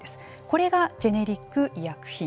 これがジェネリック医薬品。